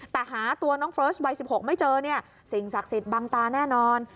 แต่หาตัวน้องเฟิร์สวัย๑๖ไม่เจอเนี่ยสิ่งศักดิ์สิทธิ์บังตาแน่นอน